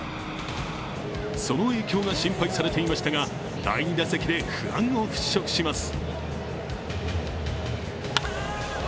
その影響が心配されていましたが、第２打席で不安を払拭します。